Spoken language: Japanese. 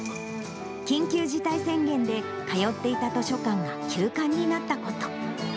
緊急事態宣言で、通っていた図書館が休館になったこと。